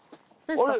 あれ。